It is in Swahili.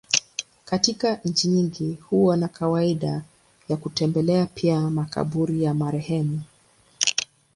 Katika nchi nyingi huwa na kawaida ya kutembelea pia makaburi ya marehemu.